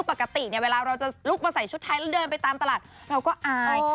ปกติเนี่ยเวลาเราจะลุกมาใส่ชุดไทยแล้วเดินไปตามตลาดเราก็อาย